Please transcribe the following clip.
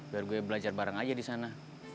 biar gue belajar barang aja di sana